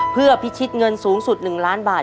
เพื่อพิชิตเงินสูงสุด๑ล้านบาท